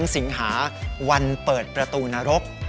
สิงหาวันเปิดประตูนรก